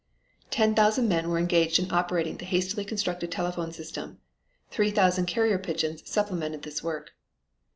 Ten thousand men were engaged in operating the hastily constructed telephone system; 3,000 carrier pigeons supplemented this work.